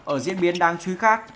ở diễn biến đáng chú ý khác